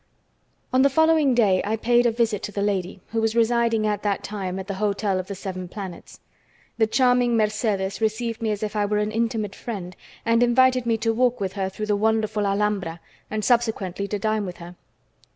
On the following day I paid a visit to the lady, who was residing at that time at the Hotel of the Seven Planets. The charming Mercedes received me as if I were an intimate friend, and invited me to walk with her through the wonderful Alhambra and subsequently to dine with her.